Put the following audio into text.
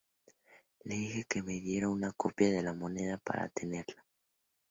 Le dije que me diera una copia de la moneda para tenerla.